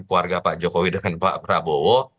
keluarga pak jokowi dengan pak prabowo